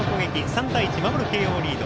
３対１、守る慶応リード。